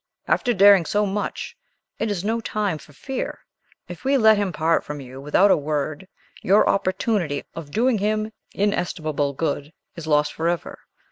"After daring so much, it is no time for fear! If we let him part from you without a word, your opportunity of doing him inestimable good is lost forever."